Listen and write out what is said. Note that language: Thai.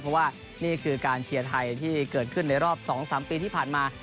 เพราะว่านี่คือการเชียร์ไทยที่เกิดขึ้นในรอบ๒๓ปีที่ผ่านมา